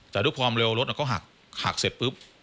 แต่ด้วยความเร็วรถก็หักเสร็จปุ๊บ